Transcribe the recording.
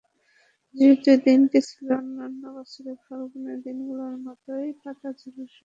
যদিও দিনটি ছিল অন্যান্য বছরের ফাল্গুনের দিনগুলোর মতোই পাতা ঝরার সময়।